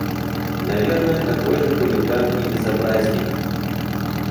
– Наверное, такой же хулиган и безобразник.